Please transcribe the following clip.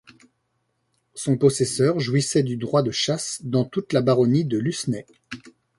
Son possesseur jouissait du droit de chasse dans toute la baronnie de Lucenay.